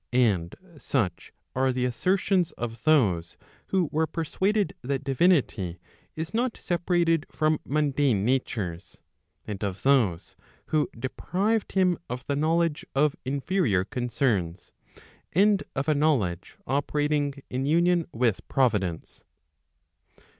And such are the assertions of those who were persuaded that divinity is not separated from mundane natures, and of those who deprived him of the knowledge of inferior concerns, and of a knowledge operating in union with providence.